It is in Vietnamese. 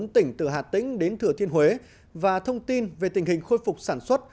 bốn tỉnh từ hà tĩnh đến thừa thiên huế và thông tin về tình hình khôi phục sản xuất